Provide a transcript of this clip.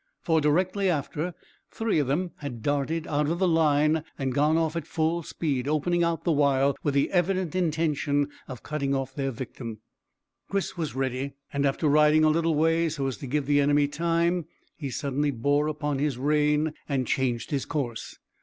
For directly after, three of them had darted out of the line and gone off at full speed, opening out the while, with the evident intention of cutting off their victim. Chris was ready, and after riding a little way so as to give the enemy time, he suddenly bore upon his rein and changed his course.